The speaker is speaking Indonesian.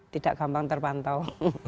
tidak gampang terpantau